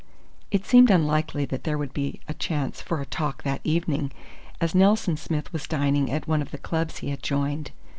It seemed unlikely there would be a chance for a talk that evening, as Nelson Smith was dining at one of the clubs he had joined.